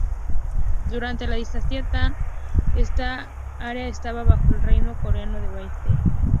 Durante la dinastía Tang, está área estaba bajo el reino coreano de Balhae.